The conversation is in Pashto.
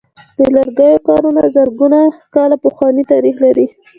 د لرګیو کارونه زرګونه کاله پخوانۍ تاریخ لري.